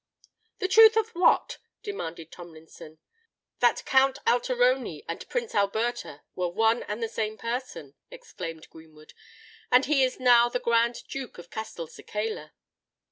"The truth of what?" demanded Tomlinson. "That Count Alteroni and Prince Alberto were one and the same person," exclaimed Greenwood; "and he is now the Grand Duke of Castelcicala!"